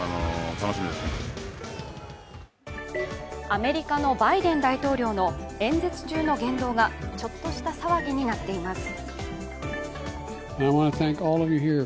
アメリカのバイデン大統領の演説中の言動がちょっとした騒ぎになっています。